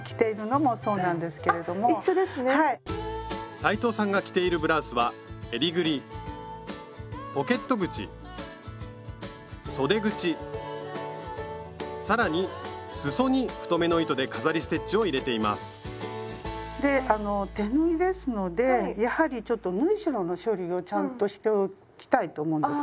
斉藤さんが着ているブラウスはえりぐりポケット口そで口更にすそに太めの糸で飾りステッチを入れていますであの手縫いですのでやはりちょっと縫い代の処理をちゃんとしておきたいと思うんですね。